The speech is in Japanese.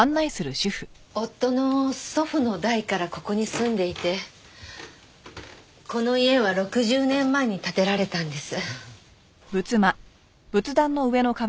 夫の祖父の代からここに住んでいてこの家は６０年前に建てられたんです。